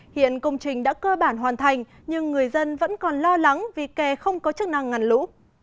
hiện công trình đã cơ bản hoàn thành nhưng người dân vẫn còn lo lắng vì kè không có chức năng ngăn lũ